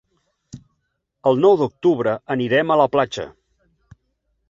El nou d'octubre anirem a la platja.